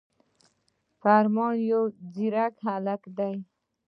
فرمان يو ځيرک هلک دی